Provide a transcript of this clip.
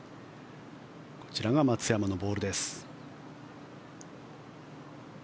こちらが松山のボールです。